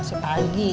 enak ya kliniknya sepi